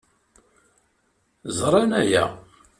Ẓran aya.